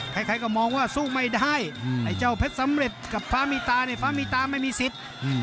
ใครก็มองว่าสู้ไม่ได้ไอ้เจ้าเพชรสำเร็จกับฟ้ามีตาเนี่ยฟ้ามีตาไม่มีสิทธิ์